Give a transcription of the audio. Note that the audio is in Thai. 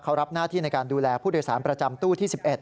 เขารับหน้าที่ในการดูแลผู้โดยสารประจำตู้ที่๑๑